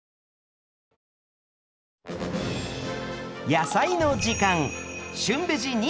「やさいの時間」